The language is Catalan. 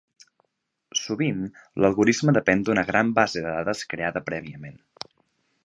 Sovint, l'algorisme depèn d'una gran base de dades creada prèviament.